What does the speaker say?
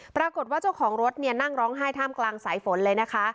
ปรากฏว่าเจ้าของรถเนี่ยนั่งร้องไห้ท่ามกลางสายฝนเลยนะคะ